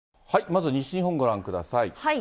まず西日本ご覧ください。